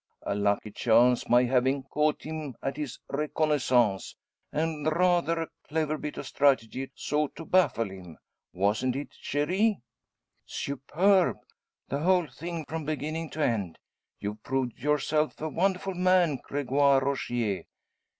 A lucky chance my having caught him at his reconnaissance; and rather a clever bit of strategy so to baffle him! Wasn't it, cherie?" "Superb! The whole thing from beginning to end! You've proved yourself a wonderful man, Gregoire Rogier."